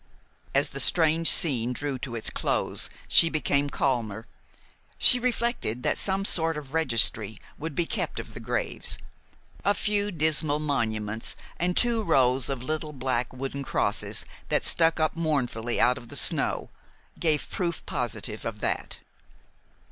As the strange scene drew to its close, she became calmer. She reflected that some sort of registry would be kept of the graves. A few dismal monuments, and two rows of little black wooden crosses that stuck up mournfully out of the snow, gave proof positive of that.